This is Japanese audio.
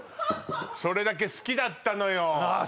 それだけ好きだったのよああ